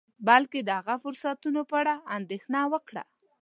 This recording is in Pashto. بلکې د هغه فرصتونو په اړه اندیښنه وکړه